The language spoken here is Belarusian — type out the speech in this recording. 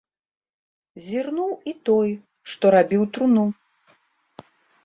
Зірнуў і той, што рабіў труну.